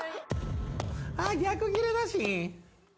ああ逆ギレだしん。